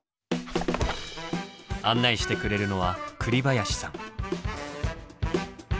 案内してくれるのは栗林さん。